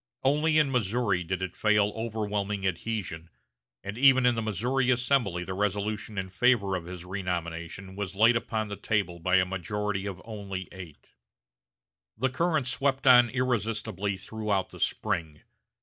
Only in Missouri did it fail of overwhelming adhesion, and even in the Missouri Assembly the resolution in favor of his renomination was laid upon the table by a majority of only eight. The current swept on irresistibly throughout the spring.